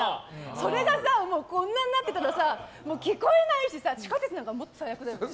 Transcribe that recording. それがさ、こんなになっていたら聞こえないし地下鉄なんかもっと最悪だよね。